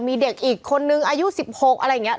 มีเด็กอีกคนนึงอายุ๑๖อะไรอย่างนี้